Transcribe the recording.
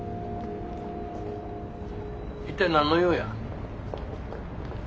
一体何の用や？